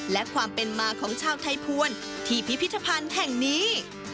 และความเป็นมาของชาวไทยภวรที่พิพิธภัณฑ์แห่งนี้